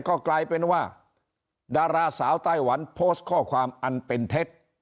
ก็กลายเป็นว่าดาราสาวไต้หวันโพสต์ข้อความอันเป็นเท็จ